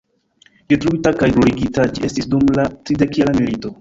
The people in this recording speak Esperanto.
Detruita kaj bruligita ĝi estis dum la tridekjara milito.